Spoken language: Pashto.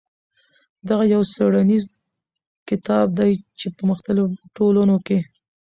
دغه يو څېړنيز کتاب دى چې په مختلفو ټولنو کې.